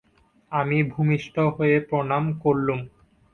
আমি ভূমিষ্ঠ হয়ে প্রণাম করলুম।